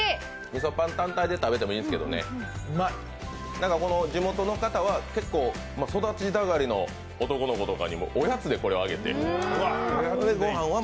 みそぱん単体で食べてもいいんですけどね、地元の方は結構、育ち盛りの男の子とかにもおやつでこれをあげて。